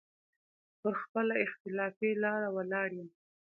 پر خپله اختلافي لاره ولاړ يم.